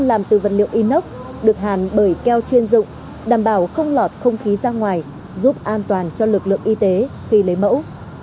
làm từ vật liệu inox được hàn bởi keo chuyên dụng đảm bảo không lọt không khí ra ngoài giúp an toàn cho lực lượng y tế khi lấy mẫu